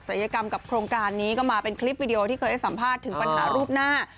ยกรรมกับโครงการนี้ก็มาเป็นคลิปวิดีโอที่เคยให้สัมภาษณ์ถึงปัญหารูปหน้า